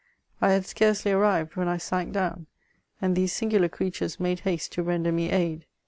I had scarcely arrived, when I sank down, and these singular creatures made haste to render me aid.